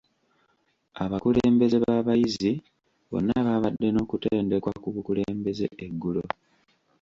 Abakulembeze b'abayizi bonna baabadde n'okutendekwa ku bukulembeze eggulo.